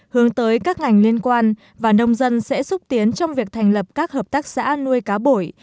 hướng tới các ngành liên quan và nông dân sẽ xúc tiến trong việc thành lập các hợp tác xã nuôi cá bổi